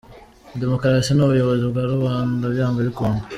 Demukarasi ni ubuyobozi bwa rubanda byanga bikunda.